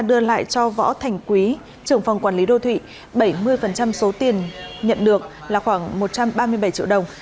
đưa lại cho võ thành quý trưởng phòng quản lý đô thụy bảy mươi số tiền nhận được là khoảng một trăm ba mươi bảy triệu đồng